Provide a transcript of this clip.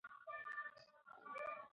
طبیعت د ملکیار په شعر کې مهم ځای لري.